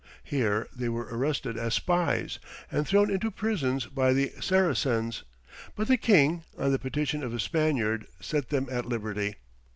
Here they were arrested as spies, and thrown into prison by the Saracens, but the king, on the petition of a Spaniard, set them at liberty.